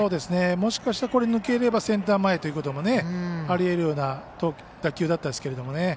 もしかしたら抜ければセンター前ということもありえるような打球だったんですけどね。